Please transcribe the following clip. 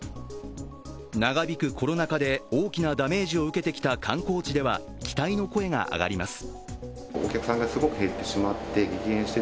長引くコロナ禍で大きなダメージを受けてきた観光地では、期待の声が上がります。